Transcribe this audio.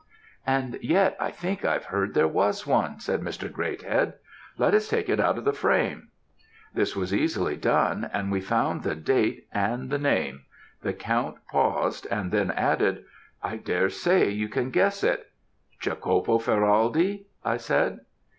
"'And yet I think I've heard there was one,' said Mr. Greathead. 'Let us take it out of the frame?' "This was easily done, and we found the date and the name; the count paused, and then added, 'I dare say you can guess it?' "'Jacopo Ferraldi?' I said.